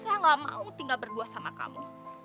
saya gak mau tinggal berdua sama kamu